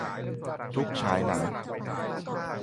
ทุกฉายหนัง